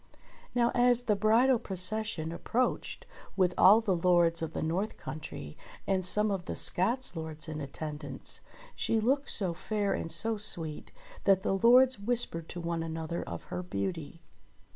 Now as the bridal procession approached with all the lords of the north countrie, and some of the Scots lords in attendance, she looked so fair and so sweet, that the lords whispered to one another of her beauty.